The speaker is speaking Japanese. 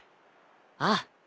ああ。